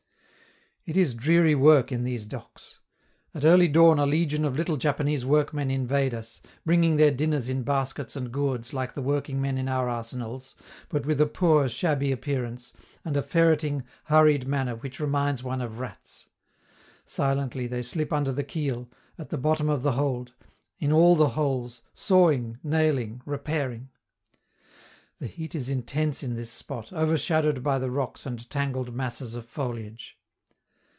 It is dreary work in these docks. At early dawn a legion of little Japanese workmen invade us, bringing their dinners in baskets and gourds like the workingmen in our arsenals, but with a poor, shabby appearance, and a ferreting, hurried manner which reminds one of rats. Silently they slip under the keel, at the bottom of the hold, in all the holes, sawing, nailing, repairing. The heat is intense in this spot, overshadowed by the rocks and tangled masses of foliage.